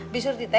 bi surti teh